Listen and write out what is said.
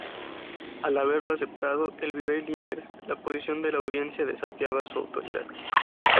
Al haberlo aceptado el Virrey Liniers, la posición de la Audiencia desafiaba su autoridad.